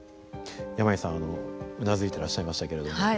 山井さんうなずいていらっしゃいましたけれども。